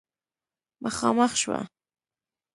مخامخ شوه